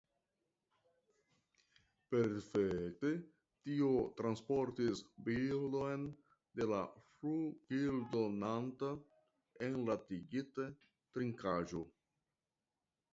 Perfekte tio transportis bildon de la 'flugildonanta' enlatigita trinkaĵo.